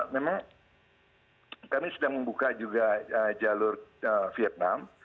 memang kami sedang membuka juga jalur vietnam